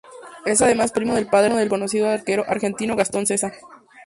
Es además primo del padre del conocido arquero argentino Gastón Sessa.